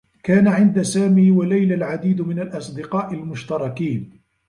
كان عند سامي و ليلى العديد من الأصدقاء المشتركين.